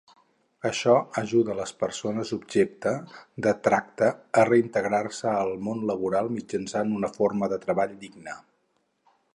Això ajuda les persones objecte de tracta a reintegrar-se al món laboral mitjançant una forma de treball digna.